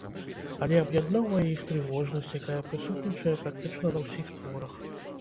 Але аб'ядноўвае іх трывожнасць, якая прысутнічае практычна ва ўсіх творах.